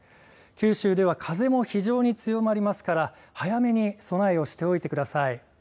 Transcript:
九州では風も非常に強まりますから早めに備えをしておいてください。